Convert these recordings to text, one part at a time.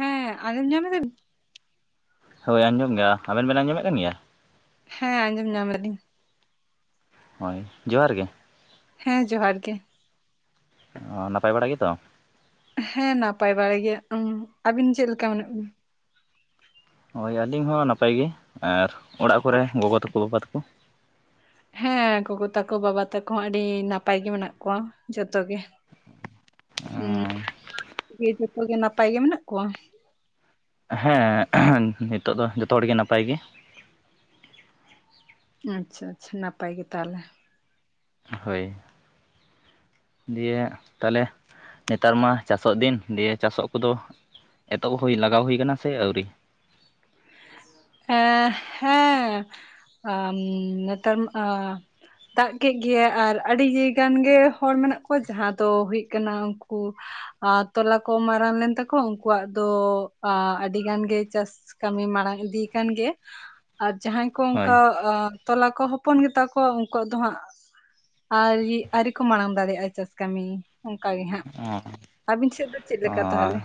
ᱦᱮᱸ ᱟᱡᱚᱢ ᱧᱟᱢᱮᱫᱟᱵᱤᱱ? ᱦᱳᱭ ᱟᱸᱡᱚᱢ ᱜᱮᱭᱟ, ᱟᱵᱮᱱ ᱵᱮᱱ ᱟᱸᱡᱚᱢᱮᱜ ᱠᱟᱱ ᱜᱮᱭᱟ? ᱦᱮᱸ ᱟᱸᱡᱚᱢ ᱧᱟᱢ ᱫᱟᱞᱤᱧ ᱾ ᱦᱳᱭ ᱡᱚᱦᱟᱨ ᱜᱮ᱾ ᱦᱮᱸ ᱡᱚᱦᱟᱨ ᱜᱮ᱾ ᱚ ᱱᱟᱯᱟᱭ ᱵᱟᱲᱟ ᱜᱮᱛᱚ? ᱦᱮᱸ ᱱᱟᱯᱟᱭ ᱵᱟᱲᱟ ᱜᱮ, ᱟᱹᱵᱤᱱ ᱪᱮᱫ ᱞᱮᱠᱟ ᱢᱮᱱᱟᱜ ᱵᱤᱱᱟ? ᱟᱹᱞᱤᱧ ᱦᱚᱸ ᱱᱟᱯᱟᱭ ᱜᱮ ᱟᱨ ᱚᱲᱟᱜ ᱠᱚᱨᱮ ᱜᱚᱜᱚ ᱛᱟᱠᱚ ᱵᱟᱵᱟ ᱛᱟᱠᱚ? ᱦᱮᱸ ᱜᱚᱜᱚ ᱛᱟᱠᱚ ᱵᱟᱵᱟ ᱛᱟᱠᱚ ᱦᱚᱸ ᱟᱹᱰᱤ ᱱᱟᱯᱟᱭ ᱜᱮ ᱢᱮᱱᱟᱜ ᱠᱚᱣᱟ ᱡᱷᱚᱛᱚ ᱜᱮ ᱾ [unintelligible] ᱡᱷᱚᱛᱚ ᱜᱮ ᱱᱟᱯᱟᱭ ᱜᱮ ᱢᱮᱱᱟᱜ ᱠᱚᱣᱟ? ᱦᱮᱸ ᱱᱤᱛᱟᱹᱜ ᱫᱚ ᱡᱷᱚᱛᱚ ᱦᱚᱲᱜᱮ ᱱᱟᱯᱟᱭ ᱜᱮ ᱾ ᱟᱪᱪᱷᱟ ᱟᱪᱪᱷᱟ ᱱᱟᱯᱟᱭ ᱜᱮ ᱛᱟᱦᱚᱞᱮ ᱾ ᱦᱳᱭ᱾ ᱫᱤᱭᱮ ᱛᱟᱦᱚᱞᱮ ᱱᱮᱛᱟᱨ ᱢᱟ ᱪᱟᱥᱚᱜ ᱫᱤᱱ ᱫᱤᱭᱮ ᱪᱟᱥᱚᱜ ᱠᱚᱫᱚ ᱮᱛᱚᱦᱚᱵ ᱦᱩᱭ ᱞᱟᱜᱟᱣ ᱦᱩᱭ ᱠᱟᱱᱟ ᱥᱮ ᱟᱹᱣᱨᱤ? ᱮ ᱦᱮᱸ ᱟᱢ ᱱᱮᱛᱟᱨ ᱟ ᱫᱟᱜ ᱠᱮᱜ ᱜᱮᱭᱟᱭ ᱟᱨ ᱟᱹᱰᱤ [unintelligible] ᱜᱟᱱ ᱜᱮ ᱦᱚᱲ ᱢᱮᱱᱟᱜ ᱠᱚᱣᱟ ᱡᱟᱦᱟᱸ ᱫᱚ ᱦᱩᱭᱩᱜ ᱠᱟᱱᱟ ᱩᱱᱠᱩ ᱟᱨ ᱛᱚᱞᱟ ᱠᱚ ᱢᱟᱨᱟᱝ ᱞᱮᱱ ᱛᱟᱠᱚᱣᱟ ᱩᱱᱠᱩᱣᱟᱜ ᱫᱚ ᱟ ᱟᱹᱰᱤ ᱜᱟᱱ ᱜᱮ ᱪᱟᱥ ᱠᱟᱹᱢᱤ ᱢᱟᱲᱟᱝ ᱤᱫᱤ ᱠᱟᱱ ᱜᱮ ᱟᱨ ᱡᱟᱦᱟᱸᱭ ᱠᱚ ᱚᱱᱠᱟ ᱦᱳᱭ ᱟ ᱛᱚᱞᱟ ᱠᱚ ᱦᱚᱯᱚᱱ ᱜᱮᱛᱟ ᱠᱚᱣᱟ ᱩᱱᱠᱩᱣᱟᱜ ᱫᱚ ᱦᱟᱸᱜ ᱟᱭᱨᱤ ᱟᱹᱣᱨᱤ ᱠᱚ ᱢᱟᱲᱟᱝ ᱫᱟᱲᱮᱭᱟᱜ-ᱟ ᱪᱟᱥ ᱠᱟᱹᱢᱤ ᱾ ᱚᱱᱠᱟ ᱜᱮ ᱦᱟᱸᱜ, ᱟᱹᱵᱤᱱ ᱥᱮᱫ ᱫᱚ ᱪᱮᱫ ᱞᱮᱠᱟ ᱛᱟᱦᱚᱞᱮ?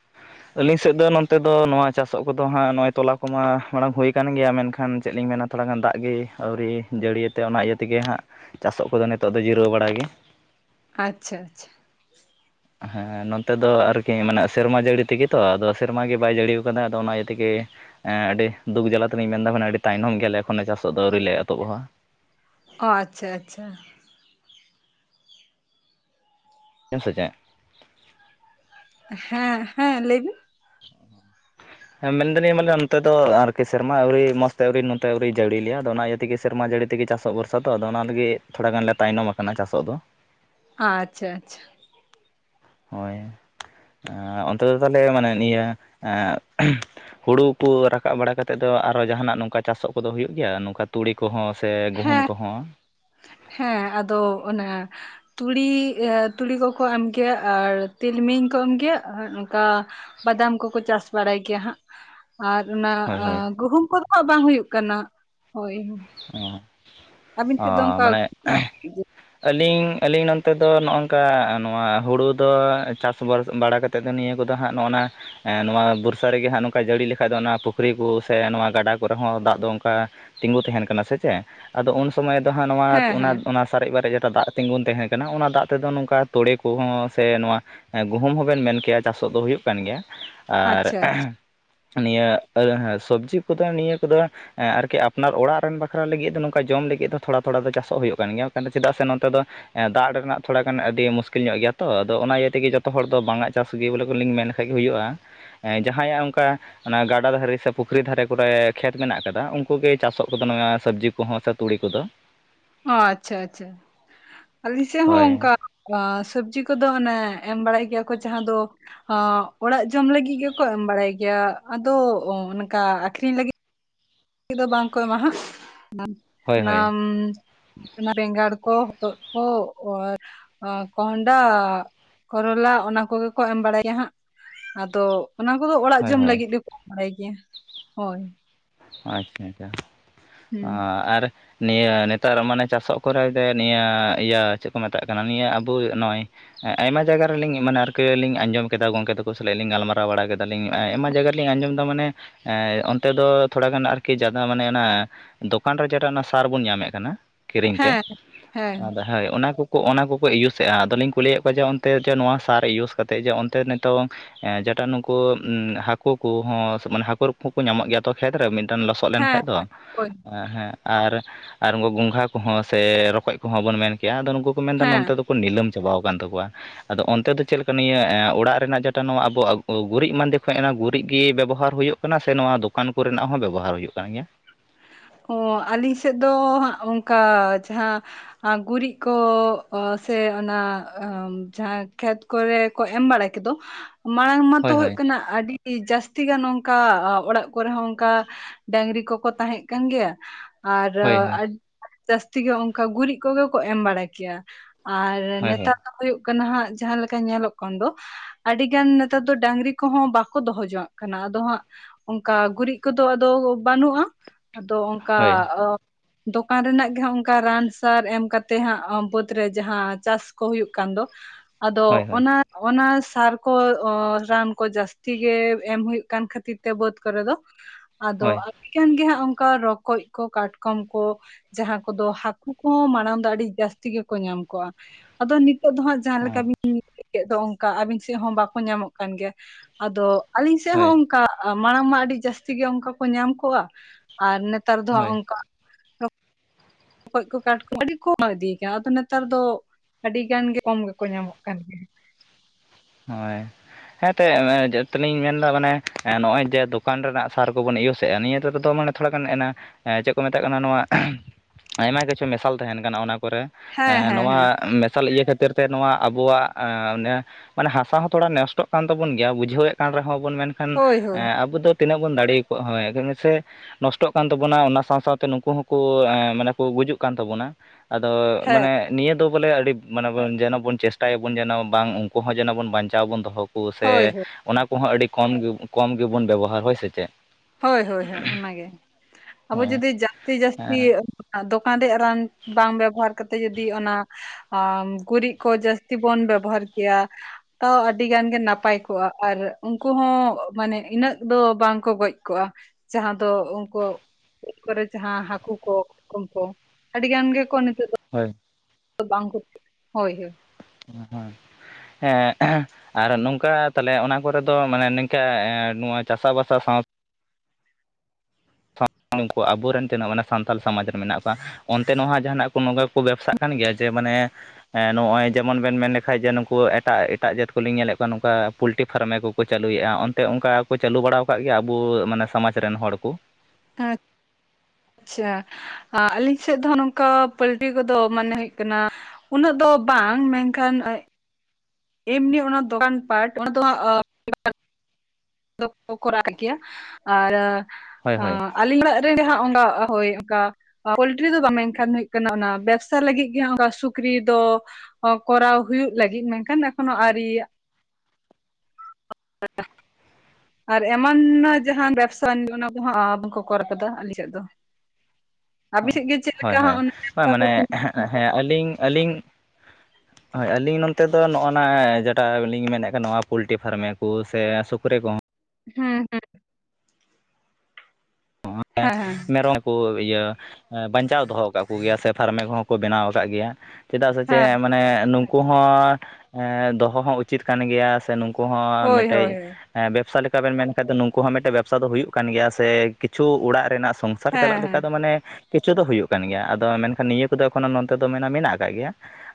[inaudible] ᱟᱹᱞᱤᱧ ᱥᱮᱫ ᱫᱚ ᱱᱚᱱᱛᱮ ᱫᱚ ᱱᱚᱣᱟ ᱪᱟᱥᱚᱜ ᱠᱚᱫᱚ ᱦᱟᱸᱜ ᱱᱚᱜᱼᱚᱭ ᱛᱚᱞᱟ ᱠᱚᱢᱟ ᱢᱟᱲᱟᱝ ᱦᱳᱭ ᱠᱟᱱ ᱜᱮᱭᱟ ᱢᱮᱱᱠᱷᱟᱱ ᱪᱮᱫ ᱞᱤᱧ ᱢᱮᱱᱟ ᱛᱷᱚᱲᱟ ᱜᱟᱱ ᱫᱟᱜ ᱜᱮ ᱟᱹᱣᱨᱤ ᱡᱟᱹᱲᱤᱭᱟᱛᱮ ᱚᱱᱟ ᱤᱭᱟᱹ ᱛᱮᱜᱮ ᱦᱟᱸᱜ ᱪᱟᱥᱚᱜ ᱠᱚᱫᱚ ᱱᱤᱛᱚᱜ ᱫᱚ ᱡᱤᱨᱟᱹᱣ ᱵᱟᱲᱟᱜ ᱜᱮ ᱾ ᱟᱪᱪᱷᱟ ᱟᱪᱪᱷᱟ᱾ ᱦᱮᱸ ᱱᱚᱱᱛᱮ ᱫᱚ ᱟᱨᱠᱤ ᱢᱟᱱᱮ ᱥᱮᱨᱢᱟ ᱡᱟᱹᱲᱤ ᱛᱮᱜᱮ ᱛᱚ ᱟᱫᱚ ᱥᱮᱨᱢᱟ ᱜᱮ ᱵᱟᱭ ᱡᱟᱹᱲᱤ ᱠᱟᱫᱟ ᱟᱫᱚ ᱚᱱᱟ ᱤᱭᱟᱹ ᱛᱮᱜᱮ ᱮᱸ ᱟᱹᱰᱤ ᱫᱩᱠᱷ ᱡᱟᱞᱟ ᱛᱮᱞᱤᱧ ᱢᱮᱱᱫᱟ ᱢᱟᱱᱮ ᱟᱹᱰᱤ ᱛᱟᱭᱱᱚᱢ ᱜᱮᱭᱟᱞᱮ ᱮᱠᱷᱚᱱᱚ ᱪᱟᱥᱚᱜ ᱫᱚ ᱟᱹᱣᱨᱤ ᱞᱮ ᱮᱛᱚᱦᱚᱵᱼᱟ ᱾ ᱚ ᱟᱪᱪᱷᱟ ᱟᱪᱪᱷᱟ᱾ [unintelligible] ᱥᱮ ᱪᱮᱫ? ᱦᱮᱸ ᱦᱮᱸ ᱞᱟᱹᱭ ᱵᱤᱱ ᱦᱮᱸ ᱢᱮᱱ ᱫᱟᱞᱤᱧ ᱢᱟᱱᱮ ᱚᱱᱛᱮ ᱫᱚ ᱟᱨᱠᱤ ᱥᱮᱨᱢᱟ ᱟᱹᱣᱨᱤ ᱢᱚᱡᱽ ᱛᱮ ᱟᱹᱣᱨᱤ ᱱᱚᱛᱮ ᱟᱹᱣᱨᱤ ᱡᱟᱹᱲᱤ ᱞᱮᱭᱟ ᱟᱫᱚ ᱚᱱᱟ ᱤᱭᱟᱹ ᱛᱮᱜᱮ ᱥᱮᱨᱢᱟ ᱡᱟᱹᱲᱤ ᱛᱮᱜᱮ ᱪᱟᱥᱚᱜ ᱵᱷᱚᱨᱥᱟ ᱛᱚ ᱟᱫᱚ ᱚᱱᱟ ᱞᱟᱹᱜᱤᱫ ᱛᱷᱚᱲᱟ ᱜᱟᱱ ᱞᱮ ᱛᱟᱭᱱᱚᱢ ᱟᱠᱟᱱᱟ ᱪᱟᱥᱚᱜ ᱫᱚ ᱾ ᱟᱪᱪᱷᱟ ᱟᱪᱪᱷᱟ᱾ ᱦᱳᱭ, ᱚᱱᱛᱮ ᱫᱚ ᱛᱟᱦᱚᱞᱮ ᱢᱟᱱᱮ ᱱᱤᱭᱟᱹ ᱮ ᱩᱦᱩᱸ ᱦᱩᱲᱩ ᱠᱚ ᱨᱟᱠᱟᱵ ᱵᱟᱲᱟ ᱠᱟᱛᱮᱫ ᱫᱚ ᱟᱨᱚ ᱡᱟᱦᱟᱸᱱᱟᱜ ᱱᱚᱝᱠᱟ ᱪᱟᱥᱚᱜ ᱠᱚᱫᱚ ᱦᱩᱭᱩᱜ ᱜᱮᱭᱟ ᱱᱚᱝᱠᱟ? ᱛᱩᱲᱤ ᱠᱚᱦᱚᱸ ᱥᱮ ᱜᱩᱦᱩᱢ ᱦᱮᱸ ᱠᱚᱦᱚᱸ᱾ ᱦᱮᱸ ᱟᱫᱚ ᱚᱱᱟ ᱛᱩᱲᱤ ᱮ ᱛᱩᱲᱤ ᱠᱚᱠᱚ ᱮᱢᱜᱮᱭᱟ ᱟᱨ ᱛᱤᱞᱢᱤᱧ ᱠᱚ ᱮᱢᱜᱮᱭᱟ ᱟᱨ ᱠᱟ ᱵᱟᱫᱟᱢ ᱠᱚᱠᱚ ᱪᱟᱥ ᱵᱟᱲᱟᱭ ᱜᱮᱭᱟ ᱦᱟᱸᱜ ᱟᱨ ᱚᱱᱟ ᱦᱳᱭ ᱦᱳᱭ ᱜᱩᱦᱩᱢ ᱠᱚᱫᱚ [unintelligible] ᱵᱟᱝ ᱦᱩᱭᱩᱜ ᱠᱟᱱᱟ ᱦᱳᱭ᱾ ᱚ ᱟᱹᱵᱤᱱ ᱚ ᱥᱮᱫ ᱫᱚ ᱚᱱᱠᱟ ᱢᱟᱱᱮ ᱟᱹᱞᱤᱧ ᱟᱹᱞᱤᱧ ᱱᱚᱱᱛᱮ ᱫᱚ ᱱᱚᱜᱼᱚᱝᱠᱟ ᱱᱚᱣᱟ ᱦᱩᱲᱩ ᱫᱚ ᱪᱟᱥᱵᱟᱥ ᱵᱟᱲᱟ ᱠᱟ ᱛᱮᱫ ᱫᱚ ᱱᱤᱭᱟᱹ ᱠᱚᱫᱚ ᱦᱟᱸᱜ ᱱᱚᱜᱼᱚ ᱱᱟ ᱱᱚᱣᱟ ᱵᱚᱨᱥᱟ ᱨᱮᱜᱮ ᱦᱟᱸᱜ ᱱᱚᱝᱠᱟ ᱡᱟᱹᱲᱤ ᱞᱮᱠᱷᱟᱡ ᱫᱚ ᱚᱱᱟ ᱯᱩᱠᱷᱨᱤ ᱠᱚ ᱥᱮ ᱱᱚᱣᱟ ᱜᱟᱰᱟ ᱠᱚᱨᱮ ᱦᱚᱸ ᱫᱟᱜ ᱫᱚ ᱚᱱᱠᱟ ᱛᱤᱸᱜᱩ ᱛᱟᱦᱮᱱ ᱠᱟᱱᱟ ᱥᱮ ᱪᱮ ᱟᱫᱚ ᱩᱱ ᱥᱚᱢᱚᱭ ᱫᱚ ᱦᱟᱸᱜ ᱱᱚᱣᱟ ᱦᱮᱸ ᱚᱱᱟ ᱦᱮᱸ ᱚᱱᱟ ᱥᱟᱨᱮᱡ ᱵᱟᱨᱮᱡ ᱡᱮᱴᱟ ᱫᱟᱜ ᱛᱤᱸᱜᱩᱱ ᱛᱟᱦᱮᱸ ᱠᱟᱱᱟ ᱚᱱᱟ ᱫᱟᱜ ᱛᱮᱫᱚ ᱱᱚᱝᱠᱟ ᱛᱳᱲᱮ ᱠᱚᱦᱚᱸ ᱥᱮ ᱱᱚᱣᱟ ᱜᱩᱦᱩᱢ ᱦᱚᱸ ᱵᱮᱱ ᱢᱮᱱ ᱠᱮᱭᱟ ᱪᱟᱥᱚᱜ ᱫᱚ ᱦᱩᱭᱩᱜ ᱠᱟᱱ ᱜᱮᱭᱟ ᱟᱨ ᱟᱪᱪᱷᱟ ᱟᱪᱪᱷᱟ ᱮᱦ ᱱᱤᱭᱟᱹ [unintelligible] ᱥᱚᱵᱡᱤ ᱠᱚ ᱫᱚ ᱱᱤᱭᱟᱹ ᱠᱚ ᱫᱚ ᱟᱨᱠᱤ ᱟᱯᱱᱟᱨ ᱚᱲᱟᱜ ᱚᱱᱠᱟᱱ ᱵᱟᱠᱷᱨᱟ ᱞᱟᱹᱜᱤᱫ ᱫᱚ ᱱᱚᱝᱠᱟ ᱡᱚᱢ ᱞᱟᱹᱜᱤᱫ ᱫᱚ ᱛᱷᱚᱲᱟ ᱛᱷᱚᱲᱟ ᱫᱚ ᱪᱟᱥᱚᱜ ᱦᱩᱭᱩᱜ ᱠᱟᱱ ᱜᱮᱭᱟ ᱪᱮᱫᱟᱜ ᱥᱮ ᱱᱚᱛᱮ ᱫᱚ ᱫᱟᱜ ᱨᱮᱱᱟᱜ ᱛᱷᱚᱲᱟ ᱜᱟᱱ ᱟᱹᱰᱤ ᱢᱩᱥᱠᱤᱞ ᱧᱚᱜ ᱜᱮᱭᱟ ᱛᱚ ᱟᱫᱚ ᱚᱱᱟ ᱤᱭᱟᱹ ᱛᱮᱜᱮ ᱡᱚᱛᱚ ᱦᱚᱲ ᱫᱚ ᱵᱟᱝ ᱟᱜ ᱪᱟᱥ ᱥᱩᱜᱤᱸ ᱵᱚᱞᱚ ᱠᱚᱨᱮᱞᱤᱧ ᱢᱮᱱ ᱞᱮᱠᱷᱟᱡ ᱜᱮ ᱦᱩᱭᱩᱜᱼᱟ᱾ ᱦᱮᱸ ᱡᱟᱦᱟᱸᱭᱟᱜ ᱚᱱᱠᱟ ᱚᱱᱟ ᱜᱟᱰᱟ ᱫᱷᱟᱨᱮ ᱥᱮ ᱯᱩᱠᱷᱨᱤ ᱫᱷᱟᱨᱮ ᱠᱚᱨᱮ ᱠᱷᱮᱛ ᱢᱮᱱᱟᱜ ᱟᱠᱟᱫᱟ ᱩᱱᱠᱩ ᱜᱮ ᱪᱟᱥᱚᱜ ᱠᱚᱫᱚ ᱱᱚᱣᱟ ᱥᱚᱵᱽᱡᱤ ᱠᱚ ᱦᱚᱸ ᱥᱮ ᱛᱩᱲᱤ ᱠᱚ ᱫᱚ ᱚ ᱟᱪᱪᱷᱟ ᱟᱪᱪᱷᱟ ᱟᱹᱞᱤᱧ ᱥᱮᱫ ᱦᱚᱸ ᱦᱳᱭ ᱚᱱᱠᱟ [unintelligible] ᱥᱚᱵᱽᱡᱤ ᱠᱚ ᱫᱚ ᱚᱱᱮ ᱮᱢ ᱵᱟᱲᱟᱭ ᱜᱮᱭᱟ ᱠᱚ ᱡᱟᱦᱟᱸ ᱫᱚ ᱚ ᱚᱲᱟᱜ ᱡᱚᱢ ᱞᱟᱹᱜᱤᱫ ᱜᱮ ᱠᱚ ᱮᱢ ᱵᱟᱲᱟᱭ ᱜᱮᱭᱟ ᱟᱫᱚ ᱚᱱᱠᱟ ᱟᱠᱷᱨᱤᱧ ᱞᱟᱹᱜᱤᱫ [inaudible] ᱫᱚ ᱵᱟᱝ ᱠᱚ ᱮᱢᱟ ᱦᱟᱸᱜ [unintelligible] ᱦᱳᱭ ᱚᱱᱟ ᱦᱳᱭ ᱚᱱᱟ ᱵᱮᱸᱜᱟᱲ ᱠᱚ ᱦᱚᱛᱚᱜ ᱠᱚ [unintelligible] ᱠᱚᱦᱚᱱᱰᱟ ᱠᱚᱨᱚᱞᱟ ᱚᱱᱟ ᱠᱚ ᱜᱮ ᱠᱚ ᱮᱢ ᱵᱟᱲᱟᱭᱟ ᱦᱟᱸᱜ ᱟᱫᱚ ᱚᱱᱟ ᱠᱚ ᱫᱚ ᱚᱲᱟᱜ ᱦᱳᱭ ᱡᱚᱢ ᱦᱳᱭ ᱞᱟᱹᱜᱤᱫ ᱞᱮ [inaudible] ᱵᱟᱲᱟᱭ ᱜᱮᱭᱟ ᱦᱳᱭ᱾ ᱟᱪᱪᱷᱟ ᱟᱪᱪᱷᱟ ᱟᱺ ᱦᱩᱸ ᱟᱨ ᱱᱤᱭᱟᱹ ᱱᱮᱛᱟᱨ ᱢᱟᱱᱮ ᱪᱟᱥᱚᱜ ᱠᱚᱨᱮ ᱜᱮ ᱱᱤᱭᱟᱹ ᱤᱭᱟᱹ ᱪᱮᱫ ᱠᱚ ᱢᱮᱛᱟᱜ ᱠᱟᱱᱟ ᱱᱤᱭᱟᱹ ᱟᱵᱩ ᱱᱚᱜᱼᱚᱭ ᱮᱸᱜ ᱟᱭᱢᱟ ᱡᱟᱭᱜᱟ ᱨᱮᱞᱤᱧ ᱢᱟᱱᱮ ᱟᱨᱠᱤ ᱞᱤᱧ ᱟᱸᱡᱚᱢ ᱠᱮᱫᱟ ᱜᱚᱝᱠᱮ ᱛᱟᱠᱚ ᱥᱟᱞᱟᱜ ᱞᱤᱧ ᱜᱟᱞᱢᱟᱨᱟᱣ ᱵᱟᱲᱟ ᱠᱮᱫᱟ ᱞᱤᱧ ᱮᱸᱜ ᱟᱭᱢᱟ ᱡᱟᱭᱜᱟ ᱨᱮ ᱞᱤᱧ ᱟᱸᱡᱚᱢ ᱮᱫᱟ ᱢᱟᱱᱮ ᱮᱸᱻ ᱚᱱᱛᱮ ᱫᱚ ᱛᱷᱚᱲᱟ ᱜᱟᱱ ᱟᱨᱠᱤ ᱡᱟᱫᱟ ᱢᱟᱱᱮ ᱚᱱᱟ ᱫᱚᱠᱟᱱ ᱨᱮ ᱡᱮᱴᱟ ᱚᱱᱟ ᱥᱟᱨ ᱵᱚᱱ ᱧᱟᱢᱮᱜ ᱠᱟᱱᱟ ᱠᱤᱨᱤᱧ ᱛᱮ, ᱦᱮᱸ ᱦᱮᱸ ᱟᱫᱚ ᱦᱳᱭ ᱚᱱᱟ ᱠᱚ ᱚᱱᱟ ᱠᱚᱠᱚ ᱤᱭᱩᱥᱮᱜᱼᱟ ᱟᱫᱚ ᱞᱤᱧ ᱠᱩᱞᱤᱭᱮᱜ ᱠᱚᱣᱟ ᱡᱮ ᱚᱱᱛᱮ ᱡᱮ ᱱᱚᱣᱟ ᱥᱟᱨ ᱤᱭᱩᱥ ᱠᱟᱛᱮᱫ ᱡᱮ ᱚᱱᱛᱮ ᱱᱮᱛᱳᱝ ᱮᱸ ᱡᱮᱴᱟ ᱱᱩᱠᱩ ᱩᱸ ᱦᱟᱹᱠᱳ ᱠᱚᱦᱚᱸ ᱢᱟᱱᱮ ᱦᱟᱹᱠᱳ ᱨᱮ ᱯᱷᱩᱸᱜ ᱠᱚ ᱧᱟᱢᱚᱜ ᱜᱮᱭᱟ ᱛᱚ, ᱠᱷᱮᱛ ᱨᱮ ᱢᱤᱫᱫᱟᱱ ᱞᱚᱥᱚᱫ ᱞᱮᱱ ᱦᱮᱸ ᱠᱷᱟᱡ ᱫᱚ ᱦᱳᱭ ᱮᱸ ᱦᱮᱸ ᱟᱨ ᱟᱨ ᱩᱱᱠᱩ ᱜᱚᱸᱜᱷᱟ ᱠᱚᱦᱚᱸ ᱥᱮ ᱨᱚᱠᱚᱡ ᱠᱚᱦᱚᱸ ᱵᱚᱱ ᱢᱮᱱ ᱠᱮᱭᱟ, ᱟᱫᱚ ᱱᱩᱠᱩ ᱠᱚ ᱢᱮᱱ ᱫᱟ ᱦᱮᱸ ᱱᱚᱱᱛᱮ ᱫᱚ ᱠᱚ ᱱᱤᱞᱟᱹᱢ ᱪᱟᱵᱟᱟᱣ ᱠᱟᱱ ᱛᱟᱠᱚᱣᱟ᱾ ᱟᱫᱚ ᱚᱱᱛᱮ ᱫᱚ ᱪᱮᱫ ᱞᱮᱠᱟ ᱱᱤᱭᱟᱹ ᱚᱲᱟᱜ ᱨᱮᱱᱟᱜ ᱡᱮᱴᱟ ᱱᱚᱣᱟ ᱟᱵᱚ ᱜᱩᱨᱤᱡ ᱢᱟᱸᱫᱮ ᱠᱷᱚᱡ ᱚᱱᱟ ᱜᱩᱨᱤᱡ ᱜᱮ ᱵᱮᱵᱚᱦᱟᱨ ᱦᱳᱭᱳᱜ ᱠᱟᱱᱟ ᱥᱮ ᱱᱚᱣᱟ ᱫᱚᱠᱟᱱ ᱠᱚᱨᱮᱱᱟᱜ ᱦᱚᱸ ᱵᱮᱵᱚᱦᱟᱨ ᱦᱳᱭᱳᱜ ᱠᱟᱱ ᱜᱮᱭᱟ? ᱚ ᱟᱹᱞᱤᱧ ᱥᱮᱫ ᱫᱚ ᱦᱟᱸᱜ ᱚᱱᱠᱟ ᱡᱟᱦᱟᱸ ᱟᱸ ᱜᱩᱨᱤᱡ ᱠᱚ ᱮᱸ ᱥᱮ ᱚᱱᱟ ᱮᱸᱦᱮᱢ ᱡᱟᱦᱟᱸ ᱠᱷᱮᱛ ᱠᱚᱨᱮ ᱠᱚ ᱮᱢ ᱵᱟᱲᱟᱭ ᱠᱮᱫᱚ, ᱢᱟᱲᱟᱝ ᱢᱟ ᱛᱚ ᱦᱳᱭ ᱦᱳᱭ ᱦᱳᱭᱳᱜ ᱠᱟᱱᱟ ᱟᱹᱰᱤ ᱡᱟᱹᱥᱛᱤ ᱜᱮ ᱱᱚᱝᱠᱟ ᱚᱲᱟᱜ ᱠᱚᱨᱮ ᱦᱚᱸ ᱚᱱᱠᱟ ᱰᱟᱝᱨᱤ ᱠᱚᱠᱚ ᱛᱟᱦᱮᱸᱜ ᱠᱟᱱ ᱜᱮᱭᱟ᱾ ᱟᱨ ᱦᱳᱭ ᱦᱳᱭ ᱟ ᱡᱟᱹᱥᱛᱤ ᱜᱮ ᱚᱱᱠᱟ ᱜᱩᱨᱤᱡ ᱠᱚᱜᱮ ᱠᱚ ᱮᱢ ᱵᱟᱲᱟ ᱠᱮᱭᱟ᱾ ᱟᱨ ᱦᱳᱭ ᱦᱳᱭ ᱱᱮᱛᱟᱨ ᱦᱩᱭᱩᱜ ᱠᱟᱱᱟ ᱦᱟᱸᱜ ᱡᱟᱦᱟᱸ ᱞᱮᱠᱟ ᱧᱮᱞᱚᱜ ᱠᱟᱱ ᱫᱚ, ᱟᱹᱰᱤᱜᱟᱱ ᱱᱮᱛᱟᱨ ᱫᱚ ᱰᱟᱝᱨᱤ ᱠᱚ ᱦᱚᱸ ᱵᱟᱠᱚ ᱫᱚᱦᱚ ᱡᱚᱝ-ᱟᱜ ᱠᱟᱱᱟ᱾ ᱟᱫᱚ ᱦᱟᱸᱜ ᱚᱱᱠᱟ ᱜᱩᱨᱤᱡ ᱠᱚ ᱫᱚ ᱟᱫᱚ ᱵᱟᱹᱱᱩᱜᱼᱟ᱾ ᱟᱫᱚ ᱚᱱᱠᱟ ᱦᱳᱭ ᱫᱚᱠᱟᱱ ᱨᱮᱱᱟᱜ ᱜᱮ ᱦᱟᱸᱜ ᱚᱱᱠᱟ ᱨᱟᱱ ᱥᱟᱨ ᱮᱢ ᱠᱟᱛᱮᱜ ᱦᱟᱸᱜ ᱵᱟᱹᱫᱽ ᱨᱮ ᱡᱟᱦᱟᱸ ᱪᱟᱥ ᱠᱚ ᱦᱩᱭᱩᱜ ᱠᱟᱱ ᱫᱚ, ᱟᱫᱚ ᱦᱳᱭ ᱚᱱᱟ ᱚᱱᱟ ᱥᱟᱨ ᱠᱚ ᱚᱻ ᱨᱟᱱ ᱠᱚ ᱡᱟᱹᱥᱛᱤ ᱜᱮ ᱮᱢ ᱦᱩᱭᱩᱜ ᱠᱟᱱ ᱠᱷᱟᱹᱛᱤᱨ ᱛᱮ ᱵᱟᱹᱫᱽ ᱠᱚᱨᱮ ᱫᱚ᱾ ᱟᱫᱚ ᱦᱳᱭ ᱟᱹᱰᱤ ᱜᱟᱱ ᱜᱮ ᱦᱟᱸᱜ ᱚᱱᱠᱟ ᱨᱚᱠᱚᱡ ᱠᱚ ᱠᱟᱴᱠᱚᱢ ᱠᱚ ᱡᱟᱦᱟᱸ ᱠᱚ ᱫᱚ ᱦᱟᱠᱩ ᱠᱚ ᱦᱚᱸ ᱢᱟᱲᱟᱝ ᱫᱚ ᱟᱹᱰᱤ ᱡᱟᱥᱛᱤ ᱜᱮ ᱠᱚ ᱧᱟᱢ ᱠᱚᱜᱼᱟ᱾ ᱟᱫᱚ ᱱᱤᱛᱳᱜ ᱫᱚ ᱦᱟᱸᱜ ᱡᱟᱦᱟᱸ ᱞᱮᱠᱟ ᱦᱳᱭ [inaudible] [unintelligible] ᱫᱚ ᱚᱝᱠᱟ ᱟᱵᱤᱱ ᱥᱮᱜ ᱦᱚᱸ ᱵᱟᱠᱚ ᱧᱟᱢᱚᱜ ᱠᱟᱱ ᱜᱮᱭᱟ, ᱟᱫᱚ ᱟᱞᱤᱧ ᱥᱮᱜ ᱦᱳᱭ ᱦᱚᱸ ᱚᱝ ᱠᱟ ᱟᱸ ᱢᱟᱲᱟᱝ ᱢᱟ ᱟᱹᱰᱤ ᱡᱟᱹᱥᱛᱤ ᱜᱮ ᱚᱝᱠᱟ ᱠᱚ ᱧᱟᱢ ᱠᱚᱜᱼᱟ ᱟᱨ ᱱᱮᱛᱟᱨ ᱫᱚ ᱦᱟᱸᱜ ᱦᱳᱭ ᱚᱝᱠᱟ ᱨᱚᱠᱚᱡ ᱠᱚ ᱠᱟ [inaudible] ᱠᱚ ᱟᱹᱰᱤ ᱠᱚ [inaudible] ᱟᱫᱚ ᱱᱮᱛᱟᱨ ᱫᱚ ᱟᱹᱰᱤ ᱜᱟᱱ ᱜᱮ ᱠᱚᱢ ᱜᱮ ᱠᱚ ᱧᱟᱢᱚᱜ ᱠᱟᱱ ᱜᱮᱭᱟ᱾ ᱦᱳᱭ᱾ ᱦᱮᱸ [unintelligible] ᱚᱱᱮ ᱚᱱᱟ [unintelligible] ᱢᱮᱱ ᱫᱟ ᱢᱟᱱᱮ ᱮᱸ ᱱᱚᱜᱼᱚᱭ ᱡᱮ ᱫᱚᱠᱟᱱ ᱨᱮᱱᱟᱜ ᱥᱟᱨ ᱠᱚᱵᱚᱱ ᱤᱭᱩᱥ ᱮᱜᱼᱟ ᱱᱤᱭᱟᱹ [unintelligible] ᱢᱟᱱᱮ ᱛᱷᱚᱲᱟ ᱜᱟᱱ ᱮᱱᱟ ᱮᱸ ᱪᱮᱜ ᱠᱚ ᱢᱮᱛᱟᱜ ᱠᱟᱱᱟ ᱱᱚᱣᱟᱮᱴ ᱮᱦᱩᱸ ᱟᱭᱢᱟ ᱠᱤᱪᱷᱩ ᱢᱮᱥᱟᱞ ᱛᱟᱦᱮᱱ ᱠᱟᱱᱟ ᱚᱱᱟ ᱠᱚ ᱨᱮ᱾ ᱦᱮᱸ ᱮᱸ ᱦᱮᱸ ᱦᱮᱸ ᱱᱚᱣᱟ ᱢᱮᱥᱟᱞ ᱤᱭᱟᱹ ᱠᱷᱟᱹᱛᱤᱨ ᱛᱮ ᱱᱚᱣᱟ ᱟᱵᱚᱣᱟᱜ ᱮᱸ ᱚᱱᱮ ᱢᱟᱱᱮ ᱦᱟᱥᱟ ᱦᱚᱸ ᱛᱷᱚᱲᱟ ᱱᱮᱥᱴᱚᱜ ᱠᱟᱱ ᱛᱟᱵᱚᱱ ᱜᱮᱭᱟ, ᱵᱩᱡᱷᱟᱹᱣᱮᱜ ᱠᱟᱱ ᱨᱮᱦᱚᱸ ᱵᱚᱱ ᱢᱮᱱᱠᱷᱟᱱ ᱦᱳᱭ ᱦᱳᱭ ᱮᱸ ᱟᱵᱚ ᱫᱚ ᱛᱤᱱᱟᱹᱜ ᱵᱚᱱ ᱫᱟᱲᱮ [unintelligible] ᱥᱮ, ᱱᱚᱥᱴᱚᱜ ᱠᱟᱱ ᱛᱟᱵᱳᱱᱟ ᱚᱱᱟ ᱥᱟᱶ ᱥᱟᱶᱛᱮ ᱱᱩᱠᱩ ᱦᱚᱸᱠᱚ ᱮᱸ ᱢᱟᱱᱮ ᱠᱚ ᱜᱩᱡᱩᱜ ᱠᱟᱱ ᱛᱟᱵᱚᱱᱟ, ᱟᱫᱚ ᱦᱮᱸ ᱢᱟᱱᱮ ᱱᱤᱭᱟᱹ ᱫᱚ ᱵᱚᱞᱮ ᱟᱹᱰᱤ ᱢᱟᱱᱮ ᱵᱚᱱ ᱡᱮᱱᱚ ᱵᱚᱱ ᱪᱮᱥᱴᱟᱭ ᱟᱵᱚᱱ ᱡᱮᱱᱚ ᱵᱟᱝ ᱠᱚᱦᱚᱸ ᱡᱮᱱᱚ ᱵᱚᱱ ᱵᱟᱧᱪᱟᱣ ᱵᱚᱱ ᱫᱚᱦᱚ ᱠᱚ ᱥᱮ ᱦᱳᱭ ᱦᱳᱭ ᱚᱱᱟ ᱠᱚᱦᱚᱸ ᱟᱹᱰᱤ ᱠᱚᱢ ᱜᱮ ᱠᱚᱢ ᱜᱮᱵᱚᱱ ᱵᱮᱵᱚᱦᱟᱨ ᱦᱳᱭ ᱥᱮ ᱪᱮᱫ? ᱦᱳᱭ ᱦᱳᱭ ᱦᱳᱭ ᱚᱱᱟᱜᱮ, ᱟᱵᱚ ᱦᱳᱭ ᱡᱩᱫᱤ ᱡᱟᱥᱛᱤ ᱡᱟᱥᱛᱤ ᱦᱮᱸ ᱫᱚᱠᱟᱱ ᱨᱮᱭᱟᱜ ᱨᱟᱱ ᱵᱟᱝ ᱵᱮᱵᱚᱦᱟᱨ ᱠᱟᱛᱮᱫ ᱡᱩᱫᱤ ᱚᱱᱟ ᱟᱸ ᱜᱩᱨᱤᱡ ᱠᱚ ᱡᱟᱹᱥᱛᱤ ᱵᱚᱱ ᱵᱮᱵᱚᱦᱟᱨ ᱠᱮᱭᱟ, ᱛᱟᱣ ᱟᱹᱰᱤ ᱜᱟᱱ ᱜᱮ ᱱᱟᱯᱟᱭ ᱠᱚᱜᱼᱟ, ᱟᱨ ᱩᱱᱠᱩ ᱦᱚᱸ ᱢᱟᱱᱮ ᱤᱱᱟᱹᱜ ᱫᱚ ᱵᱟᱝᱠᱚ ᱜᱚᱡ, ᱠᱚ-ᱟ ᱡᱟᱦᱟᱸ ᱫᱚ ᱩᱱᱠᱩ ᱠᱚᱨᱮ ᱡᱟᱦᱟᱸ ᱦᱟᱹᱠᱩ ᱠᱚ ᱠᱚᱴᱠᱚᱢ ᱠᱚ ᱟᱹᱰᱤ ᱜᱟᱱ ᱜᱮᱠᱚ ᱱᱤᱛᱚᱜ ᱫᱚ᱾ ᱦᱳᱭ, ᱵᱟᱝ ᱠᱚ [inaudible] ᱦᱳᱭ ᱦᱳᱭ, ᱦᱮᱸ ᱟᱨ ᱱᱚᱝᱠᱟ ᱛᱟᱦᱚᱞᱮ ᱚᱱᱟ ᱠᱚᱨᱮ ᱫᱚ ᱢᱟᱱᱮ ᱱᱮᱝᱠᱟ ᱮ ᱱᱚᱣᱟ ᱪᱟᱥᱟᱵᱟᱥᱟ ᱥᱟᱶ ᱩᱱᱠᱩ ᱟᱵᱚᱨᱮᱱ ᱛᱤᱱᱟᱹᱢᱟᱱᱟ ᱥᱟᱱᱛᱟᱲ ᱥᱚᱢᱟᱡᱽ ᱨᱮᱱ ᱢᱮᱱᱟᱜ ᱠᱚᱣᱟ ᱚᱱᱛᱮ ᱱᱚᱣᱟ ᱡᱟᱦᱟᱱᱟᱜ ᱠᱚ ᱱᱚᱝᱠᱟ ᱠᱚ ᱵᱮᱵᱽᱥᱟᱜ ᱠᱟᱱ ᱜᱮᱭᱟ ᱡᱮ ᱢᱟᱱᱮ, ᱱᱚᱜᱼᱚᱭ ᱡᱮᱢᱚᱱ ᱵᱮᱱ ᱢᱮᱱ ᱞᱮᱠᱟᱱᱡ ᱡᱮ ᱱᱩᱠᱩ ᱮᱴᱟᱜ ᱮᱴᱟᱜ ᱡᱟᱹᱛ ᱠᱚᱞᱤᱧ ᱧᱮᱞᱮᱫ ᱠᱚᱣᱟ ᱱᱚᱝᱠᱟ ᱯᱳᱞᱴᱤ ᱯᱷᱟᱨᱢᱮ ᱠᱚ, ᱠᱚ ᱪᱟᱹᱞᱩᱭᱮᱫᱼᱟ ᱚᱱᱛᱮ ᱚᱱᱠᱟ ᱠᱚ ᱪᱟᱹᱞᱩ ᱵᱟᱲᱟ ᱟᱠᱟᱫ ᱜᱮᱭᱟ ᱟᱵᱚ ᱢᱟᱱᱮ ᱥᱚᱢᱟᱡᱽ ᱨᱮᱱ ᱦᱚᱲ ᱠᱚ? ᱟ ᱟᱪᱪᱷᱟ᱾ ᱟᱹᱞᱤᱧ ᱥᱮᱫ ᱫᱚ ᱱᱚᱝᱠᱟ ᱯᱟᱹᱞᱴᱤ ᱠᱚᱫᱚ ᱢᱟᱱᱮ ᱦᱩᱭᱩᱜ ᱠᱟᱱᱟ᱾ ᱩᱱᱟᱹᱜ ᱫᱚ ᱵᱟᱝ, ᱢᱮᱱᱠᱷᱟᱱ ᱮᱢᱱᱤ ᱚᱱᱟ ᱫᱚᱠᱟᱱ ᱯᱟᱴ ᱚᱱᱟ ᱫᱚ [inaudible] ᱫᱚ ᱠᱚᱨᱟᱣ ᱜᱮᱭᱟ, ᱟᱨ ᱦᱳᱭ ᱦᱳᱭ ᱟᱞᱤᱧ [inaudible] ᱚᱲᱟᱜ ᱨᱮ ᱦᱜ ᱚᱱᱠᱟ ᱦᱳᱭ ᱚᱱᱠᱟ, ᱯᱳᱞᱴᱨᱤ ᱫᱚ ᱵᱟᱝ, ᱮᱱᱠᱷᱟᱱ ᱫᱚ ᱦᱩᱭᱩᱜ ᱠᱟᱱᱟ ᱚᱱᱟ ᱵᱮᱵᱥᱟ ᱞᱟᱹᱜᱤᱫ ᱜᱮ ᱱᱚᱠᱟ ᱥᱩᱠᱨᱤ ᱫᱚ ᱚ ᱠᱚᱨᱟᱣ ᱦᱩᱭᱩᱜ ᱞᱟᱹᱜᱤᱫ ᱢᱮᱱᱠᱷᱟᱱ ᱮᱠᱷᱚᱱ ᱦᱚ ᱟᱹᱣᱨᱤ ᱭᱟᱜ ᱾ [unintelligible] ᱟᱨ ᱮᱢᱚᱱ ᱱᱟᱸᱜ ᱡᱟᱦᱟᱸᱱ ᱵᱮᱵᱥᱟ ᱚᱱᱟ ᱠᱚ ᱦᱟᱸᱜ ᱵᱟᱝᱠᱚ ᱠᱚᱨ ᱟᱠᱟᱫᱟ ᱟᱞ ᱥᱮᱫ ᱫᱚ᱾ ᱟᱯᱮ ᱥᱮᱫ ᱜᱮ ᱦᱳᱭ ᱪᱮᱫᱮᱠᱟ ᱦᱳᱭ ᱦᱟᱸᱜ ᱵᱟᱝ ᱚᱱᱟᱥᱛᱟ ᱢᱟᱱᱮ ᱛᱤᱱᱟᱹᱜ? [inaudible] ᱦᱮᱸ ᱟᱹᱞᱤᱧ ᱟᱹᱞᱤᱧ, [unintelligible] ᱦᱳᱭ ᱟᱹᱞᱤᱧ ᱱᱚᱱᱚᱛᱮ ᱫᱚ ᱱᱚᱜᱼᱚ ᱱᱟ ᱡᱮᱴᱟ ᱞᱤᱧ ᱢᱮᱱᱮᱫ ᱠᱟᱱ ᱱᱚᱣᱟ ᱯᱳᱞᱴᱤ ᱯᱷᱟᱨᱢᱮ ᱠᱚ ᱥᱮ ᱥᱩᱠᱨᱤ ᱠᱚᱦᱚᱸ, ᱦᱮᱸ ᱦᱮᱸ ᱦᱮᱸ ᱦᱮᱸ [inaudible] ᱢᱮᱨᱚᱢ, ᱠᱚ ᱤᱭᱟᱹ ᱵᱟᱧᱪᱟᱣ ᱫᱚᱦᱚ ᱟᱠᱟᱜ ᱠᱚᱜᱮᱭᱟ ᱥᱮ ᱯᱷᱟᱨᱢᱮ ᱠᱚᱦᱚᱸ ᱠᱚ ᱵᱮᱱᱟᱣ ᱟᱠᱟᱫ ᱜᱮᱭᱟ᱾ ᱪᱮᱫᱟᱜ ᱥᱮ ᱪᱮᱫ ᱢᱟᱱᱮ ᱦᱳᱭ ᱱᱩᱠᱩ ᱦᱚᱸ ᱫᱚᱦᱚ ᱦᱚᱸ ᱩᱪᱤᱛ ᱠᱟᱱ ᱜᱮᱭᱟ᱾ ᱥᱮ ᱱᱩᱠᱩ ᱦᱚᱸ ᱦᱳᱭ ᱢᱮᱫᱴᱮᱡ, ᱦᱳᱭ ᱵᱮᱵᱽᱥᱟ ᱞᱮᱠᱟᱵᱮᱱ ᱢᱮᱱ ᱠᱷᱟᱱᱡ ᱫᱚ ᱱᱩᱠᱩ ᱦᱚᱸ ᱢᱤᱫᱴᱮᱱ ᱵᱮᱵᱽᱥᱟ ᱫᱚ ᱦᱩᱭᱩᱜ ᱠᱟᱱ ᱜᱮᱭᱟ ᱥᱮ᱾ ᱠᱤᱪᱷᱩ ᱚᱲᱟᱜ ᱨᱮᱱᱟᱜ ᱥᱚᱝᱥᱟᱨ ᱪᱟᱞᱟᱜ ᱦᱮᱸ ᱞᱮᱠᱟ ᱦᱮᱸ ᱫᱚ ᱢᱟᱱᱮ ᱠᱤᱪᱷᱩ ᱫᱚ ᱦᱩᱭᱩᱜ ᱠᱟᱱ ᱜᱮᱭᱟ, ᱟᱫᱚ ᱢᱮᱱᱠᱷᱟᱱ ᱱᱤᱭᱟᱹ ᱠᱚᱫᱚ ᱮᱠᱷᱚᱱᱚ ᱱᱚᱛᱮ ᱫᱚ ᱢᱮᱱᱟ ᱢᱮᱱᱟᱜ ᱟᱠᱟᱫ ᱜᱮᱭᱟ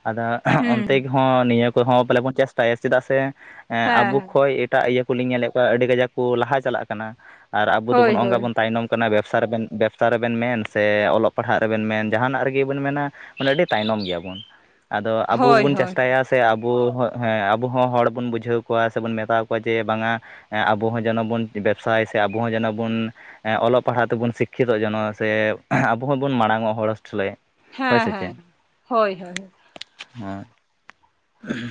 ᱟᱫᱚ ᱦᱩᱸ ᱚᱱᱛᱮ ᱜᱮᱦᱚᱸ ᱱᱤᱭᱟᱹ ᱠᱚᱦᱚᱸ ᱯᱟᱞᱮ ᱵᱚᱱ ᱪᱮᱥᱴᱟᱭᱟ, ᱪᱮᱫᱟᱜ ᱥᱮ ᱦᱮᱸ ᱟᱵᱚ ᱦᱮᱸ ᱠᱷᱚᱱᱚᱡ ᱮᱴᱟᱜ ᱤᱭᱟᱹ ᱠᱚᱞᱤᱧ ᱧᱮᱞᱮᱫ ᱠᱚᱣᱟ ᱟᱹᱰᱤ ᱠᱟᱡᱟᱠ ᱠᱚ ᱞᱟᱦᱟ ᱪᱟᱞᱟᱜ ᱠᱟᱱᱟ, ᱟᱵᱚ ᱦᱳᱭ ᱫᱚᱱ ᱚᱝᱜᱟ ᱦᱳᱭ ᱵᱚᱱ᱾ ᱛᱟᱭᱱᱚᱢ ᱠᱟᱱᱟ, ᱵᱮᱵᱽᱥᱟ ᱨᱮᱵᱮᱱ ᱵᱮᱵᱽᱥᱟ ᱨᱮᱵᱮᱱ ᱢᱮᱱ ᱥᱮ ᱚᱞᱚᱜ ᱯᱟᱲᱦᱟᱜ ᱨᱮᱵᱮᱱ ᱢᱮᱱ ᱡᱟᱦᱟᱱᱟᱜ ᱨᱮᱜᱮᱵᱮᱱ ᱢᱮᱱᱟ, ᱢᱟᱱᱮ ᱟᱹᱰᱤ ᱛᱟᱭᱱᱚᱢ ᱜᱮᱭᱟᱵᱚᱱ, ᱟᱫᱚ ᱟᱵᱚ ᱦᱳᱭ ᱵᱚᱱ ᱦᱳᱭ ᱪᱮᱥᱴᱟᱭᱟ ᱥᱮ ᱟᱵᱚᱸ ᱦᱚᱜ ᱦᱮᱸ ᱟᱵᱚ ᱦᱚᱸ ᱦᱚᱲ ᱵᱚᱱ ᱵᱩᱡᱷᱟᱹᱣ ᱠᱚᱣᱟ ᱥᱮᱵᱚᱱ ᱢᱮᱛᱟᱣ ᱠᱚᱣᱟ ᱡᱮ ᱵᱟᱝᱟ ᱮᱸ ᱟᱵᱚ ᱦᱚᱸ ᱡᱮᱱᱚ ᱵᱚᱱ ᱵᱮᱵᱽᱥᱟᱭ, ᱥᱮ ᱟᱵᱚ ᱦᱚᱸ ᱡᱮᱱᱚ ᱵᱚᱱ ᱚᱞᱚᱜ ᱯᱟᱲᱦᱟᱜ ᱛᱮᱵᱚᱱ ᱥᱤᱠᱠᱷᱤᱛᱚᱜ ᱡᱮ ᱱᱚᱣᱟ ᱥᱮ ᱟᱵᱚ ᱦᱚᱸᱵᱚᱱ ᱢᱟᱲᱟᱝ ᱚᱜ ᱦᱚᱲ ᱥᱮᱞᱮ, ᱦᱮᱸ ᱦᱮᱸ ᱦᱳᱭ ᱦᱳᱭ᱾ ᱦᱮᱸ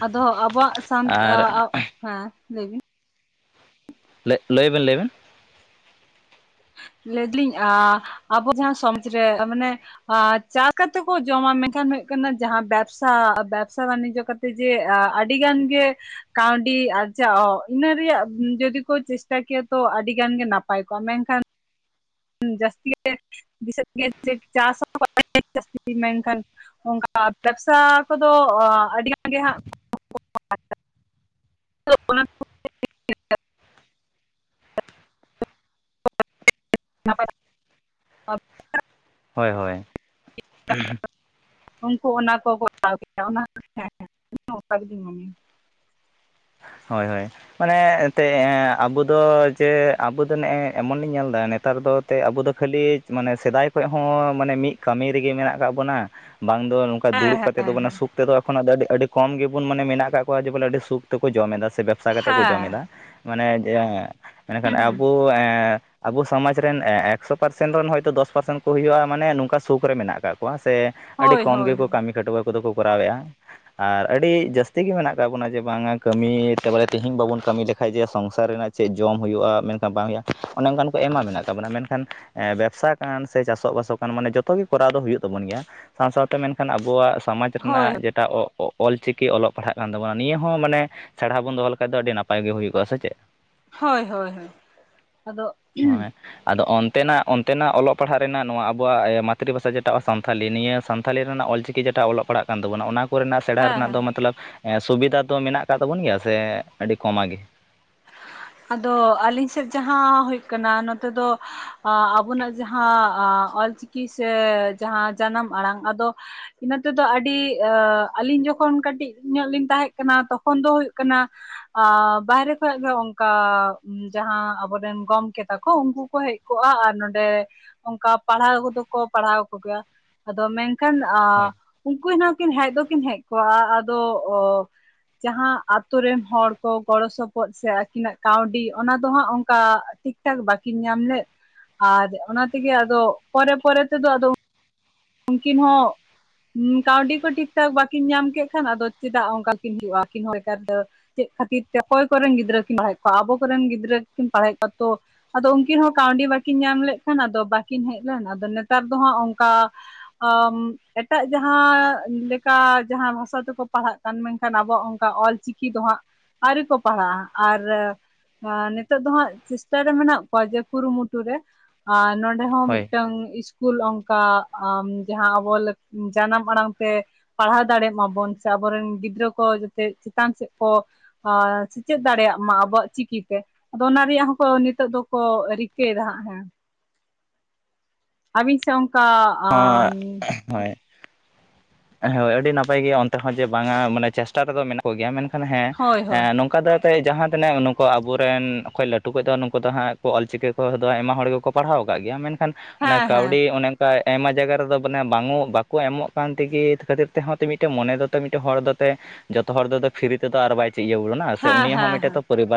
ᱟᱫᱚ ᱟᱵᱚᱣᱟᱜ ᱥᱟᱱ ᱟ ᱟᱨ ᱟᱜ ᱦᱮᱸ ᱞᱮᱭ ᱵᱤᱱ ᱞᱮᱭ ᱵᱮᱱ ᱞᱮᱭ ᱵᱮᱱ ᱞᱮᱭᱫᱟᱞᱤᱧ ᱟ ᱟᱵᱚ ᱡᱟᱦᱟᱸ ᱥᱚᱢᱟᱡᱽ ᱨᱮ ᱢᱟᱱᱮ ᱟᱨ ᱪᱟ ᱠᱟᱛᱮ ᱠᱚ ᱡᱚᱢᱟ ᱢᱮᱱᱠᱷᱟᱱ ᱦᱩᱭᱩᱜ ᱠᱟᱱᱟ ᱡᱟᱦᱟᱸ ᱵᱮᱵᱥᱟ ᱵᱮᱵᱥᱟ ᱵᱟᱱᱤᱡᱽᱡᱚ ᱠᱟ ᱡᱮ ᱟ ᱟᱹᱰᱤ ᱜᱟᱱ ᱜᱮ ᱠᱟᱹᱣᱰᱤ ᱟᱨᱡᱟᱣ ᱤᱱᱟᱹ ᱨᱮᱭᱟᱜ ᱡᱩᱫᱤ ᱠᱚ ᱪᱮᱥᱴᱟ ᱠᱮᱭᱟ ᱛᱚ ᱟᱹᱰᱤᱜᱟᱱ ᱜᱮ ᱱᱟᱯᱟᱭ ᱠᱚᱜᱼᱟ ᱢᱮᱱ ᱠᱷᱟᱱ [inaudible] ᱚᱝᱠᱟ ᱵᱮᱵᱥᱟ ᱠᱚ ᱫᱚ ᱟᱹᱰᱤ ᱜᱟᱱ ᱜᱮ ᱦᱟᱸᱜ [unintelligible] ᱱᱟᱯᱟᱭ, ᱦᱳᱭ ᱦᱳᱭ, ᱩᱱᱠᱩ ᱚᱱᱟ ᱠᱚ ᱦᱟᱛᱟᱣ ᱠᱮᱜ-ᱟ, [inaudible] ᱦᱳᱭ ᱦᱳᱭ, ᱢᱟᱱᱮ ᱮᱱᱛᱮ ᱟᱵᱚ ᱫᱚ ᱡᱮ ᱟᱵᱚ ᱫᱚ ᱱᱮ-ᱮ ᱮᱢᱚᱱᱤᱧ ᱧᱮᱞᱫᱟ ᱱᱮᱛᱟᱨ ᱫᱚ ᱛᱮ ᱟᱵᱚ ᱫᱚ ᱠᱷᱟᱹᱞᱤ ᱢᱟᱱᱮ ᱥᱮᱫᱟᱭ ᱠᱷᱚᱡ ᱦᱚᱸ ᱢᱟᱱᱮ ᱢᱤᱫ ᱠᱟᱹᱢᱤ ᱨᱮ ᱜᱮ ᱢᱮᱱᱟᱜ ᱠᱟᱜ ᱵᱚᱱᱟ ᱾ ᱵᱟᱝ ᱫᱚ ᱱᱚᱝᱠᱟ ᱫᱩᱲᱩᱵ ᱦᱮᱸ ᱠᱟᱛᱮ ᱫᱚ ᱢᱟᱱᱮ ᱥᱩᱠ ᱛᱮ ᱫᱚ ᱮᱠᱷᱚᱱ ᱟᱹᱰᱤ ᱠᱚᱢ ᱜᱮᱵᱚᱱ ᱢᱟᱱᱮ ᱢᱮᱱᱟᱜ ᱠᱟᱜ ᱠᱚᱣᱟ ᱵᱚᱞᱮ ᱟᱹᱰᱤ ᱥᱩᱠ ᱠᱚ ᱡᱚᱢ ᱮᱫᱟ ᱥᱮ ᱵᱮᱵᱥᱟ ᱠᱟᱛᱮᱫ ᱠᱚ ᱦᱮᱸ ᱡᱚᱢ ᱮᱫᱚ ᱢᱟᱱᱮ ᱢᱮᱱ ᱦᱮᱸ ᱠᱷᱟᱱ ᱦᱩᱸ ᱦᱩᱸ ᱟᱵᱚ ᱟᱵᱚ ᱥᱚᱢᱟᱡ ᱨᱮᱱ ᱮᱠᱥᱳ ᱯᱟᱨᱥᱮᱱ ᱨᱮᱱ ᱦᱚᱳᱭ ᱛᱚ ᱫᱚᱥ ᱠᱚ ᱦᱩᱭᱩᱜᱼᱟ ᱢᱟᱱᱮ ᱱᱚᱝᱠᱟ ᱥᱩᱠ ᱨᱮ ᱢᱮᱱᱟᱜ ᱠᱟᱜ ᱠᱚᱣᱟ ᱥᱮ? ᱟᱹᱰᱤ ᱦᱳᱭ ᱠᱚᱢ ᱦᱳᱭ ᱜᱮ ᱠᱚ ᱦᱳᱭ ᱠᱟᱹᱢᱤ ᱠᱷᱟᱴᱚᱣᱟᱹ ᱠᱚ ᱫᱚ ᱠᱚ ᱠᱚᱨᱟᱣᱮᱼᱟ ᱟᱨ ᱟᱹᱰᱤ ᱡᱟᱹᱥᱛᱤ ᱜᱮ ᱢᱮᱱᱟᱜ ᱠᱟᱜ ᱵᱚᱱᱟ ᱡᱮ ᱵᱟᱝᱟ ᱠᱟᱹᱢᱤ ᱛᱮᱵᱚᱞᱮ ᱛᱮᱤᱦᱤᱧ ᱵᱟᱵᱚᱱ ᱠᱟᱹᱢᱤ ᱞᱮᱠᱷᱟᱡ ᱡᱮ ᱥᱚᱝᱥᱟᱨ ᱨᱮᱱᱟᱜ ᱪᱮᱫ ᱡᱚᱢ ᱦᱳᱭᱳᱜᱼᱟ ᱢᱮᱱᱠᱷᱟᱱ ᱵᱟᱝ ᱦᱳᱭᱳᱜᱼᱟ ᱾ ᱚᱱᱮ ᱚᱱᱠᱟᱱ ᱠᱚ ᱮᱢᱟ ᱢᱮᱱᱟᱜ ᱛᱟᱵᱚᱱᱟ ᱢᱮᱱ ᱠᱷᱟᱱ ᱵᱮᱵᱽᱥᱟ ᱠᱟᱱ ᱥᱮ ᱪᱟᱥᱚᱜᱼ ᱵᱟᱥᱚᱜ ᱠᱟᱱ ᱢᱟᱱᱮ ᱡᱚᱛᱚ ᱡᱚᱛᱚ ᱜᱮ ᱠᱚᱨᱟᱣ ᱫᱚ ᱦᱩᱭᱩᱜ ᱛᱟᱵᱚᱱ ᱜᱮᱭᱟ ᱥᱟᱶ ᱥᱟᱶᱛᱮ ᱢᱮᱱ ᱠᱷᱟᱱ ᱟᱵᱚᱣᱟᱜ, ᱥᱚᱢᱟᱡᱽ ᱦᱳᱭ ᱨᱮᱱᱟᱜ ᱡᱮᱴᱟ ᱚ ᱚ ᱚᱞ ᱪᱤᱠᱤ ᱚᱞᱚᱜ ᱯᱟᱲᱦᱟᱜ ᱠᱟᱱ ᱛᱟᱵᱚᱱᱟ ᱱᱤᱭᱟᱹ ᱦᱚᱸ ᱢᱟᱱᱮ ᱥᱮᱬᱟ ᱵᱚᱱ ᱫᱚ ᱦᱚ ᱞᱮᱠᱷᱟᱱ ᱫᱚ ᱟᱹᱰᱤ ᱱᱟᱯᱟᱭ ᱜᱮ ᱦᱳᱭᱳᱜᱼᱟ ᱥᱮ ᱪᱮᱫ? ᱦᱳᱭ ᱦᱳᱭ ᱦᱳᱭ, ᱟᱫᱚ ᱦᱳᱭ ᱟᱫᱚ ᱚᱱ ᱛᱮᱱᱟᱜ ᱚᱱᱛᱮᱱᱟᱜ ᱚᱞᱚᱜ ᱯᱟᱲᱦᱟᱜ ᱨᱮᱱᱟᱜ ᱱᱚᱣᱟ ᱟᱵᱚᱣᱟᱜ ᱢᱟᱛᱨᱤ ᱵᱷᱟᱥᱟ ᱡᱮᱴᱟ ᱥᱟᱱᱛᱷᱟᱞᱤ ᱱᱤᱭᱟᱹ ᱥᱟᱱᱛᱷᱟᱞᱤ ᱨᱮᱱᱟᱜ ᱚᱞ ᱪᱤᱠᱤ ᱡᱮᱴᱟ ᱚᱞᱚᱜ ᱯᱟᱲᱟᱜ ᱠᱟᱱ ᱛᱟᱵᱚᱱᱟ ᱚᱱᱟ ᱠᱚᱨᱮ ᱱᱟᱜ ᱥᱮᱬᱟ ᱦᱮᱸ ᱨᱮᱱᱟᱜ ᱫᱚ ᱢᱚᱛᱞᱚᱵᱽ ᱥᱩᱵᱤᱫᱷᱟ ᱫᱚ ᱢᱮᱱᱟᱜ ᱠᱟᱫ ᱛᱟᱵᱚᱱ ᱜᱮᱭᱟ ᱥᱮ ᱟᱹᱰᱤ ᱠᱚᱢᱟ ᱜᱮ? ᱟᱫᱚ ᱟᱹᱞᱤᱧ ᱥᱮᱫ ᱡᱟᱦᱟᱸ ᱦᱩᱭᱩᱜ ᱠᱟᱱᱟ ᱱᱚᱛᱮ ᱫᱚ ᱟᱵᱚᱱᱟᱜ ᱡᱟᱦᱟᱸ ᱚᱞ ᱪᱤᱠᱤ ᱥᱮ ᱡᱟᱦᱟᱸ ᱡᱟᱱᱟᱢ ᱟᱲᱟᱝ ᱟᱫᱚ ᱤᱱᱟᱹ ᱛᱮ ᱫᱚ ᱟᱹᱰᱤ ᱟᱹᱞᱤᱧ ᱡᱚᱠᱷᱚᱱ ᱠᱟᱹᱴᱤᱡ ᱧᱚᱜ ᱞᱤᱧ ᱛᱟᱦᱮᱜ ᱠᱟᱱᱟ ᱛᱚᱠᱷᱚᱱ ᱫᱚ ᱦᱩᱭᱩᱜ ᱠᱟᱱᱟ ᱾ ᱵᱟᱦᱨᱮ ᱠᱷᱚᱡ ᱜᱝ ᱠᱟ ᱡᱟᱦᱟᱸ ᱟᱵᱚᱨᱮᱱ ᱜᱚᱢᱠᱮ ᱛᱟᱠᱚ ᱩᱱᱠᱩ ᱠᱚ ᱦᱮᱡ ᱠᱚᱜᱼᱟ ᱟᱨ ᱱᱚᱰᱮ ᱚᱝᱠᱟ ᱯᱟᱲᱦᱟᱣ ᱠᱚᱫᱚ ᱠᱚ ᱯᱟᱲᱦᱟᱣ ᱠᱚᱜᱮᱭᱟ ᱟᱫᱚ ᱢᱮᱱᱠᱷᱟᱱ ᱦᱳᱭ ᱩᱱᱠᱩ ᱦᱚᱸ ᱠᱤᱱ ᱦᱮᱡ ᱫᱚᱠᱤᱱ ᱦᱮᱡ ᱠᱚᱜᱼᱟ ᱟᱫᱚ ᱡᱟᱦᱟᱸ ᱟᱛᱳ ᱨᱮᱱ ᱦᱚᱲ ᱠᱚ ᱜᱚᱲᱚ ᱥᱚᱯᱚᱦᱚᱫ ᱥᱮ ᱟᱹᱠᱤᱱᱟᱜ ᱠᱟᱹᱣᱰᱤ ᱚᱱᱟ ᱫᱚ ᱦᱟᱸᱜ ᱚᱝᱠᱟ ᱴᱷᱤᱠ ᱴᱷᱟᱠ ᱵᱟᱠᱤᱱ ᱧᱟᱢ ᱞᱮᱫ ᱟᱨ ᱚᱱᱟ ᱛᱮ ᱜᱮ ᱟᱫᱚ ᱯᱚᱨᱮ ᱯᱚᱨᱮ ᱛᱮ ᱫᱚ ᱟᱫᱚ ᱩᱱᱠᱤᱱ ᱦᱚᱸ, ᱠᱟᱹᱣᱰᱤ ᱠᱚ ᱴᱷᱤᱠ ᱴᱷᱟᱠ ᱵᱟᱠᱤᱱ ᱧᱟᱢ ᱠᱮᱫ ᱠᱷᱟᱱ ᱟᱫᱚ ᱪᱮᱫᱟᱜ ᱚᱝᱠᱟ ᱠᱤᱱ ᱦᱩᱭᱩᱜᱼᱟ ᱟᱹᱠᱤᱱ ᱞᱮᱠᱟᱛᱮ ᱪᱮᱫ ᱠᱷᱟᱹᱛᱤᱨ ᱛᱮ ᱚᱠᱚᱭ ᱠᱚᱨᱮᱱ ᱜᱤᱫᱽᱨᱟᱹ ᱠᱤᱱ ᱯᱟᱲᱦᱟᱣᱮᱫ ᱠᱚᱣᱟ ᱟᱵᱚ ᱠᱚᱨᱮᱱ ᱜᱤᱫᱽᱨᱟᱹ ᱠᱤᱱ ᱾ ᱯᱟᱲᱦᱟᱣᱮᱫ ᱠᱚᱣᱟ ᱛᱚ ᱟᱫᱚ ᱩᱱᱠᱤᱱ ᱦᱚᱸ ᱠᱟᱹᱣᱰᱤ ᱵᱟᱠᱤᱱ ᱧᱟᱢ ᱞᱮᱫ ᱠᱷᱟᱱ ᱟᱫᱚ ᱵᱟᱠᱤᱱ ᱦᱮᱡ ᱞᱮᱱ ᱟᱫᱚ ᱱᱮᱛᱟᱨ ᱫᱚ ᱦᱟᱸᱜ ᱚᱝᱠᱟ ᱮᱴᱟᱜ ᱡᱟᱦᱟᱸ ᱞᱮᱠᱟ ᱡᱟᱦᱟᱸ ᱵᱷᱟᱥᱟ ᱛᱮ ᱠᱚ ᱯᱟᱲᱦᱟᱜ ᱠᱟᱱ ᱢᱮᱱ ᱠᱷᱟᱱ ᱟᱵᱚᱣᱟᱜ ᱚᱝᱠᱟ ᱚᱞ ᱪᱤᱠᱤ ᱫᱚ ᱦᱟᱸᱜ ᱟᱹᱣᱨᱤ ᱠᱚ ᱯᱟᱲᱦᱟᱜᱼᱟ ᱟᱨ ᱱᱤᱛᱚᱜ ᱫᱚ ᱦᱟᱸᱜ ᱪᱮᱥᱴᱟ ᱨᱮ ᱢᱮᱱᱟᱜ ᱠᱚᱣᱟ ᱡᱮ ᱠᱩᱨᱩᱢᱩᱴᱩ ᱨᱮ ᱟᱨ ᱱᱚᱰᱮ ᱚᱸᱰᱮ ᱦᱚᱸ ᱦᱳᱭ ᱢᱤᱫᱴᱟᱝ ᱤᱥᱠᱩᱞ ᱚᱝᱠᱟ ᱡᱟᱦᱟᱸ ᱟᱵᱚ ᱡᱟᱱᱟᱢ ᱟᱲᱟᱝ ᱛᱮ, ᱫᱟᱲᱭᱟᱜ ᱫᱟᱲᱮ ᱢᱟᱵᱚᱱ ᱥᱮ ᱟᱵᱚ ᱨᱮᱱ ᱜᱤᱫᱽᱨᱟᱹ ᱠᱚ ᱡᱟᱛᱮ ᱪᱮᱛᱟᱱ ᱥᱮ ᱠᱚ ᱟᱨ ᱪᱮᱫ ᱫᱟᱲᱮᱭᱟᱜ ᱢᱟ ᱟᱵᱚᱣᱟᱜ ᱪᱤᱠᱤᱛᱮ᱾ ᱟᱫᱚ ᱚᱱᱟ ᱨᱮᱭᱟᱜ ᱦᱚᱸᱠᱚ ᱱᱤᱛᱚᱜ ᱫᱚᱠᱚ ᱨᱤᱠᱟᱹᱭᱮᱫᱟ ᱦᱟᱸᱜ ᱦᱮᱸ ᱾ ᱟᱵᱤᱱ ᱥᱮ ᱚᱝᱠᱟ ᱩᱸᱜᱻ ᱦᱳᱭ, ᱦᱳᱭ ᱟᱹᱰᱤ ᱱᱟᱯᱟᱭ ᱜᱮ ᱚᱱᱛᱮ ᱦᱚᱸ ᱡᱮ ᱵᱟᱝᱟ ᱢᱟᱱᱮ ᱪᱮᱥᱴᱟ ᱨᱮᱫᱚ ᱢᱮᱱᱟᱜ ᱠᱚᱜᱮᱭᱟ ᱢᱮᱱᱠᱷᱟᱱ ᱦᱮᱸ, ᱦᱳᱭ ᱦᱳᱭ ᱦᱮᱸ ᱱᱚᱝᱠᱟ ᱫᱚ ᱡᱟᱦᱟᱸ ᱛᱤᱱᱟᱹᱜ ᱱᱩᱠᱩ ᱟᱵᱚᱨᱮᱱ ᱚᱠᱚᱭ ᱞᱟᱹᱴᱩ ᱠᱚ ᱫᱚ ᱱᱩᱠᱩ ᱫᱚ ᱦᱟᱸᱜ ᱠᱚ ᱚᱞᱪᱤᱠᱤ ᱠᱚᱫᱚ ᱟᱭᱢᱟ ᱦᱚᱲ ᱜᱮᱠᱚ, ᱯᱟᱲᱦᱟᱣ ᱟᱠᱟᱫ ᱜᱮᱭᱟ ᱢᱮᱱᱠᱷᱟᱱ ᱚᱱᱟ ᱦᱮᱸ ᱦᱮᱸ ᱠᱟᱹᱣᱰᱤ ᱚᱱᱮᱠ ᱟᱭᱢᱟ ᱡᱟᱭᱜᱟ ᱨᱮᱫᱚ ᱢᱟᱱᱮ ᱵᱟᱝ ᱵᱟᱠᱚ ᱮᱢᱚᱜ ᱠᱟᱱ ᱛᱮᱜᱮ ᱠᱷᱟᱹᱛᱤᱨ ᱛᱮᱦᱚᱸ ᱛᱚ ᱢᱤᱫᱴᱮᱱ ᱢᱚᱱᱮ ᱫᱚ ᱛᱚ ᱢᱤᱫᱴᱮᱱ ᱦᱚᱲ ᱫᱚ ᱛᱮ, ᱡᱚᱛᱚ ᱦᱚᱲ ᱫᱚ ᱯᱷᱤᱨᱤ ᱛᱮᱫᱚ ᱟᱨ ᱵᱟᱭ ᱪᱮᱡᱚᱜᱚᱜ ᱠᱟᱱᱟ ᱥᱮ ᱦᱮᱸ ᱩᱱᱤᱭᱟᱜ ᱦᱚᱸ ᱦᱮᱸ ᱢᱤᱫᱴᱮᱡ ᱦᱮᱸ ᱫᱚ ᱯᱚᱨᱤᱵᱟᱨ